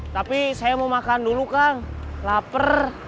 tapi saya mau makan dulu kang lapar